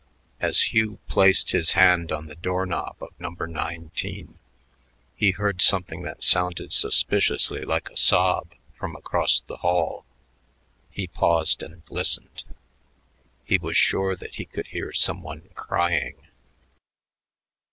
As Hugh placed his hand on the door knob of No 19, he heard something that sounded suspiciously like a sob from across the hall. He paused and listened. He was sure that he could hear some one crying.